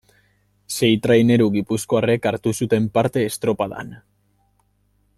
Sei traineruk gipuzkoarrek hartu zuten parte estropadan.